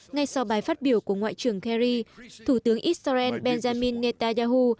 ngay sau bài phát biểu của ngoại trưởng kerry thủ tướng israel benjamin netanyahu